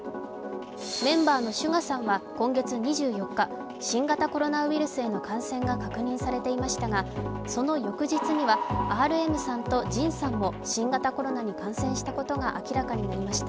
メンバーのＳＵＧＡさんは今月２４日新型コロナウイルスへの感染が確認されていましたが、その翌日にはＲＭさんとＪＩＮさんも新型コロナに感染したことが明らかになりました。